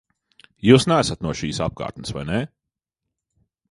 Jūs neesat no šīs apkārtnes, vai ne?